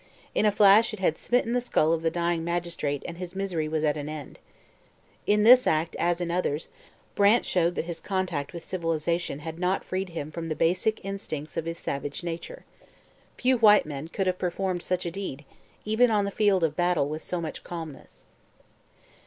In a flash it had smitten the skull of the dying magistrate and his misery was at an end. In this act as in others Brant showed that his contact with civilization had not freed him from the basic instincts of his savage nature. Few white men could have performed such a deed even on the field of battle with so much calmness.